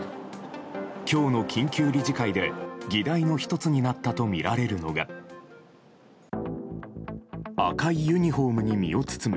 今日の緊急理事会で議題の１つになったとみられるのが赤いユニホームに身を包む